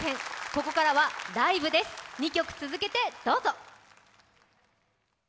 ここからはライブです、２曲続けてどうぞ。